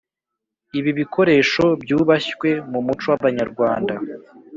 ibi bikoresho byubashywe mu muco w’abanyarwanda